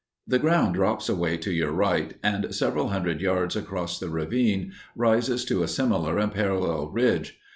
The ground drops away to your right and, several hundred yards across the ravine, rises to a similar and parallel ridge.